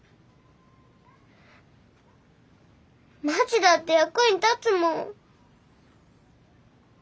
まちだって役に立つもん。